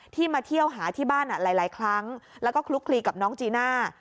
มาเที่ยวหาที่บ้านหลายครั้งแล้วก็คลุกคลีกับน้องจีน่า